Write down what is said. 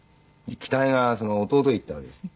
期待が弟へ行ったわけです。